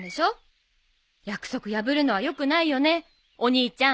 約束破るのはよくないよねお兄ちゃん。